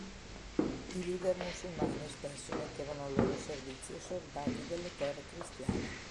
I leader musulmani spesso mettevano al loro servizio soldati delle terre cristiane.